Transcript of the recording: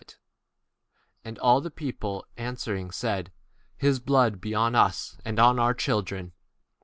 Then answered all the people, and said, His blood be on us, and on our children.